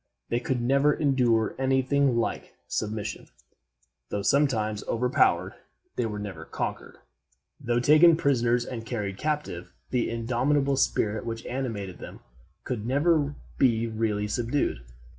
They could never endure any thing like submission. Though sometimes overpowered, they were never conquered. Though taken prisoners and carried captive, the indomitable spirit which animated them could never be really subdued.